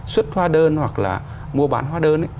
xuất hoa đơn hoặc là mua bán hoa đơn